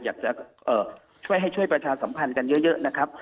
อยากจะช่วยให้ช่วยประชาสัมพันธ์กันเยอะนะครับ